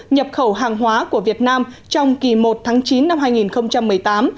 nhập khẩu hàng hóa của việt nam trong kỳ một tháng chín năm hai nghìn một mươi tám